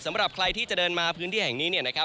สำหรับใครที่จะเดินมาพื้นที่แห่งนี้เนี่ยนะครับ